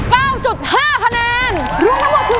รวมทั้งหมด๑๕๑๙๕คะแนนค่ะ